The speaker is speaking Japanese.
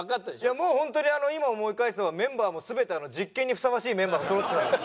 もうホントに今思い返せばメンバーも全て実験にふさわしいメンバーがそろってたので。